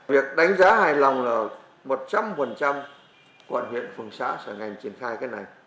việc đánh giá hài lòng là một trăm linh quận huyện phường xã sở ngành triển khai cái này